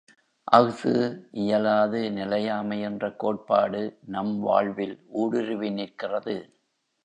அஃது இயலாது நிலையாமை என்ற கோட்பாடு நம் வாழ்வில் ஊடுருவி நிற்கிறது.